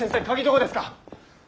どこですか？